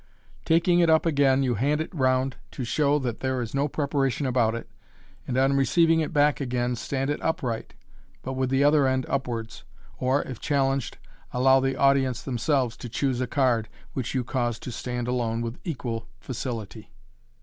Taking it up again, you hand it round, to show that there is no preparation about it, and on receiving it back, again stand it up right, but with the other end upwards j or, if challenged, allow the audience themselves to choose a card, which you cause to stand alone with equal facility.